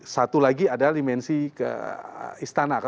satu lagi adalah dimensi ke istana